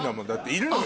いるのよ。